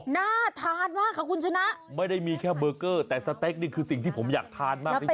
น่าทานมากค่ะคุณชนะไม่ได้มีแค่เบอร์เกอร์แต่สเต็กนี่คือสิ่งที่ผมอยากทานมากจริง